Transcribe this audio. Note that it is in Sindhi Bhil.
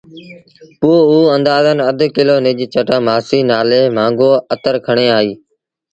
پوء اوٚ اندآزݩ اڌ ڪلو نج جٽآ مآسيٚ نآلي مآݩگو اتر کڻي آئي۔